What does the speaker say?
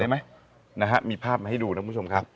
ขอดูภาพหน่อยได้ไหมมีภาพมาให้ดูนะคุณผู้ชมครับ